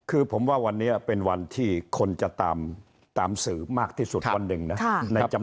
คือผมว่าวันนี้เป็นวันที่คนจะตามสื่อมากที่สุดวันหนึ่งนะ